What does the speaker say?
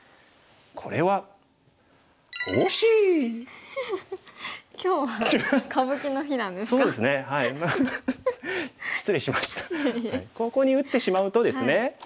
ここに打ってしまうとですね